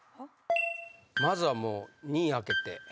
まずはもう２位開けて。